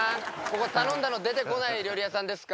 ここ頼んだの出てこない料理屋さんですか？